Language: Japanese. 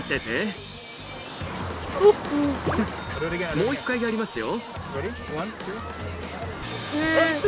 もう一回やりますよ。